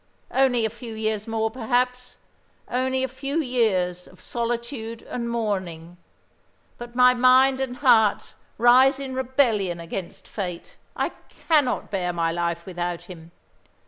Only a few years more, perhaps, only a few years of solitude and mourning; but my mind and heart rise in rebellion against Fate. I cannot bear my life without him.